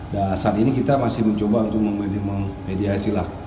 dan saat ini kita masih mencoba untuk memediasilah